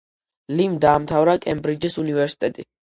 ლიმ დაამთავრა კემბრიჯის უნივერსიტეტი.